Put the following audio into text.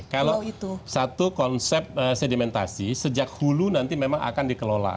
kalau satu konsep sedimentasi sejak hulu nanti memang akan dikelola